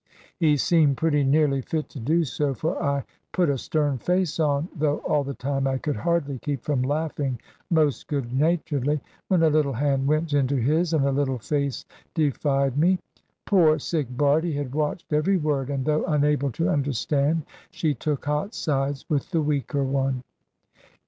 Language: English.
He seemed pretty nearly fit to do so, for I put a stern face on, though all the time I could hardly keep from laughing most good naturedly; when a little hand went into his, and a little face defied me. Poor sick Bardie had watched every word, and though unable to understand, she took hot sides with the weaker one.